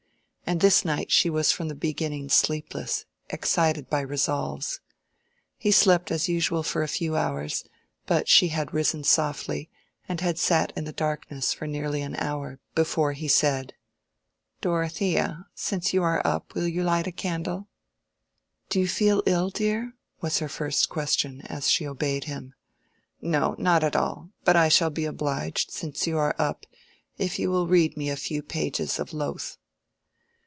And this night she was from the beginning sleepless, excited by resolves. He slept as usual for a few hours, but she had risen softly and had sat in the darkness for nearly an hour before he said— "Dorothea, since you are up, will you light a candle?" "Do you feel ill, dear?" was her first question, as she obeyed him. "No, not at all; but I shall be obliged, since you are up, if you will read me a few pages of Lowth."